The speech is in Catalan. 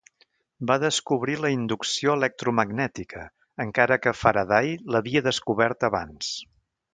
Va descobrir la inducció electromagnètica, encara que Faraday l'havia descobert abans.